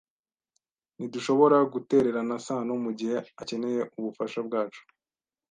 Ntidushobora gutererana Sano mugihe akeneye ubufasha bwacu.